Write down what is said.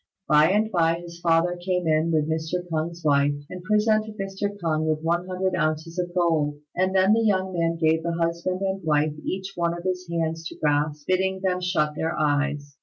By and by his father came in with Mr. K'ung's wife, and presented Mr. K'ung with one hundred ounces of gold; and then the young man gave the husband and wife each one of his hands to grasp, bidding them shut their eyes.